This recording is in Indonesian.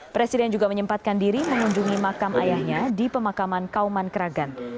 presiden juga menyempatkan diri mengunjungi makam ayahnya di pemakaman kauman keragan